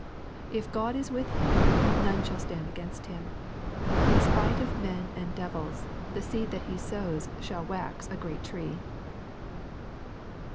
If God is with him, none shall stand against him. In spite of men and devils, the seed that he sows shall wax a great tree.